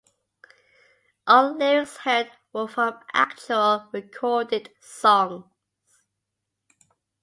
All lyrics heard were from actual, recorded songs.